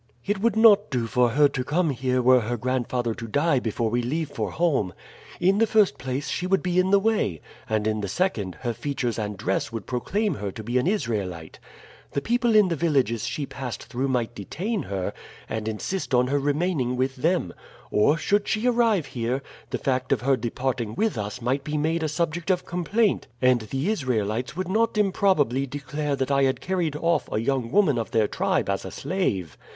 "It would not do for her to come here were her grandfather to die before we leave for home. In the first place, she would be in the way, and in the second, her features and dress would proclaim her to be an Israelite. The people in the villages she passed through might detain her, and insist on her remaining with them; or, should she arrive here, the fact of her departing with us might be made a subject of complaint, and the Israelites would not improbably declare that I had carried off a young woman of their tribe as a slave.